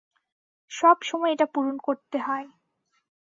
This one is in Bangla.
সবসময় এটা পূরণ করতে হয়।